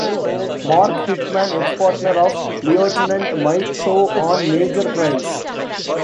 Mark Hickman, ex-partner of Lieutenant Mike Tao on "Major Crimes".